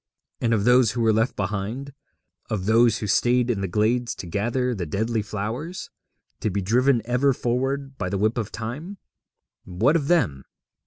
And of those who were left behind, of those who stayed in the glades to gather the deadly flowers, to be driven ever forward by the whip of Time what of them?